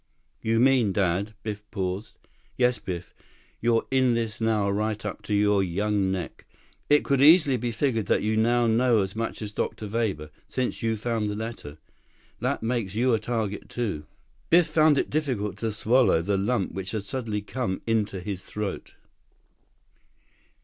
"You mean, Dad...." Biff paused. "Yes, Biff, you're in this now right up to your young neck. It could easily be figured that you now know as much as Dr. Weber, since you found the letter. That makes you a target, too." Biff found it difficult to swallow the lump which had suddenly come into his throat.